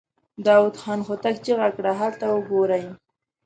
داوود خان هوتک چيغه کړه! هلته وګورئ!